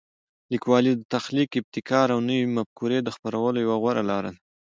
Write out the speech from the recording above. لیکوالی د تخلیق، ابتکار او نوي مفکورې د خپرولو یوه غوره لاره ده.